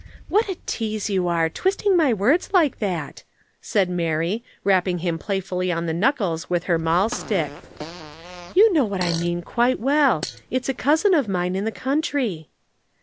"What a tease you are, twisting my words like that," said Mary, rapping him playfully on the knuckles with her mahl stick. "You know what I mean quite well. It's a cousin of mine in the country."